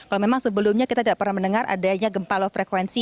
kalau memang sebelumnya kita tidak pernah mendengar adanya gempa low frekuensi